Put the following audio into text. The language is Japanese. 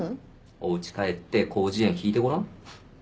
おうち帰って広辞苑引いてごらん？